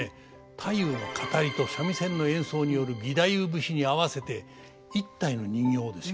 太夫の語りと三味線の演奏による義太夫節に合わせて１体の人形をですよ